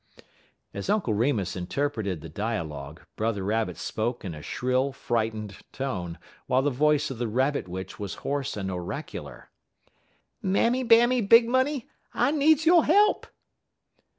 As Uncle Remus interpreted the dialogue, Brother Rabbit spoke in a shrill, frightened tone, while the voice of the Rabbit Witch was hoarse and oracular: "'Mammy Bammy Big Money, I needs yo' he'p.'